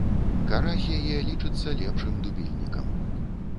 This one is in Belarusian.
Кара з яе лічыцца лепшым дубільнікам.